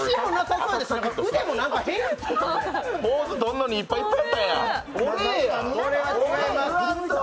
ポーズ取るのにいっぱいいっぱいやったんや！